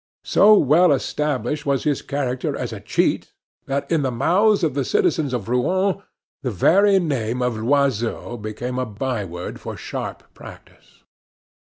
So well established was his character as a cheat that, in the mouths of the citizens of Rouen, the very name of Loiseau became a byword for sharp practice.